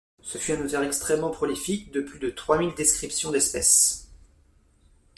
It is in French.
Ce fut un auteur extrêmement prolifique de plus de trois mille descriptions d'espèces.